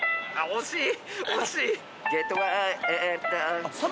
惜しい！